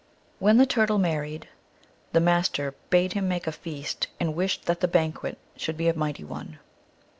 When the Turtle married, the Master bade him make a feast, and wished that the banquet should be a mighty one.